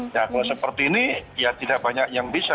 nah kalau seperti ini ya tidak banyak yang bisa